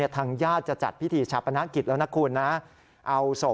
ทางญาติจะจัดพิธีชาปนกิจแล้วนะคุณนะเอาศพ